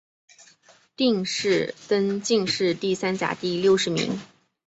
殿试登进士第三甲第六十名。